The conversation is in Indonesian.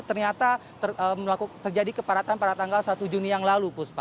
ternyata terjadi keparatan pada tanggal satu juni yang lalu